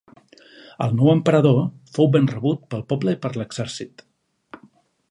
El nou emperador fou ben rebut pel poble i per l'exèrcit.